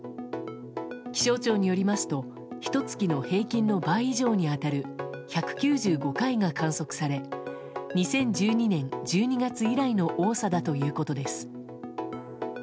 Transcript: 気象庁によりますとひと月の平均の倍以上に当たる１９５回が観測され２０１２年１２月以来の多さだということです。